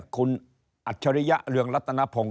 คุณอัจฉริยะเรืองรัตนพงศ